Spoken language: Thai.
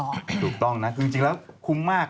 ถูกต้องนะคือจริงแล้วคุ้มมาก